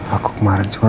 aku kemarin cuma